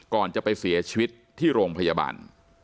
ก่อนจะไปเสียชีวิตที่โรงพยาบาล